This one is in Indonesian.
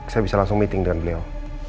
saya bisa langsung meeting dengan beliau